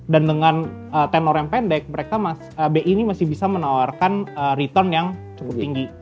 dan dengan tenor yang pendek mereka masih bisa menawarkan return yang cukup tinggi